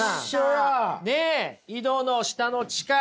井戸の下の地下。